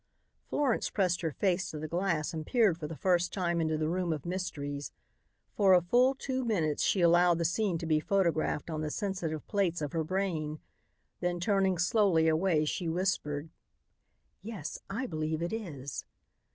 Florence pressed her face to the glass and peered for the first time into the room of mysteries. For a full two minutes she allowed the scene to be photographed on the sensitive plates of her brain. Then turning slowly away she whispered: "Yes, I believe it is."